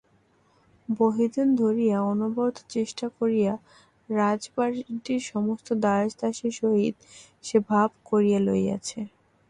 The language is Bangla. বহুদিন ধরিয়া অনবরত চেষ্টা করিয়া রাজবাটির সমস্ত দাস দাসীর সহিত সে ভাব করিয়া লইয়াছে।